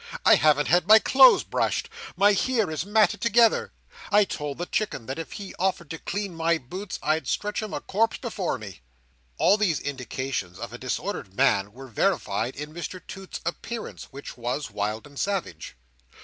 I haven't had my clothes brushed. My hair is matted together. I told the Chicken that if he offered to clean my boots, I'd stretch him a Corpse before me!" All these indications of a disordered mind were verified in Mr Toots's appearance, which was wild and savage.